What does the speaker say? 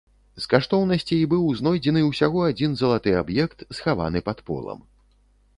З каштоўнасцей быў знойдзены ўсяго адзін залаты аб'ект, схаваны пад полам.